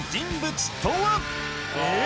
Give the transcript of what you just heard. え！